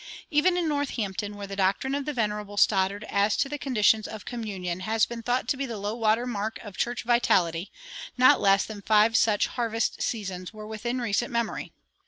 Even in Northampton, where the doctrine of the venerable Stoddard as to the conditions of communion has been thought to be the low water mark of church vitality, not less than five such "harvest seasons" were within recent memory.